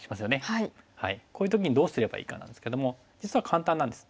こういう時にどうすればいいかなんですけども実は簡単なんです。